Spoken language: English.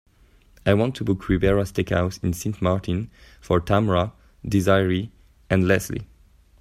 I want to book Ribera Steakhouse in Sint Maarten for tamra, desiree and lesley.